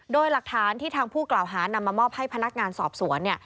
โดยหลักฐานที่ทางผู้กล่าวหานำมามอบให้พนักงานสอบสวนเนี่ย